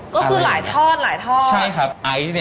ก็คือหลายทอดหลายทอดใช่ครับอะไรอย่างนี้